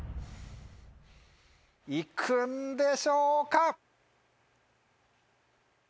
行くんでしょうか？